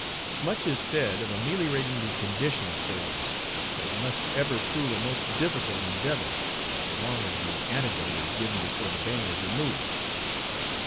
Much is said of ameliorating the condition of sailors; but it must ever prove a most difficult endeavor, so long as the antidote is given before the bane is removed.